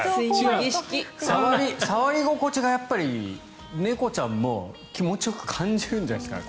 触り心地が猫ちゃんも気持ちよく感じるんじゃないですか。